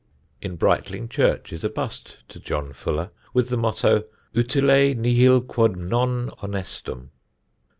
In Brightling church is a bust to John Fuller, with the motto: "Utile nihil quod non honestum."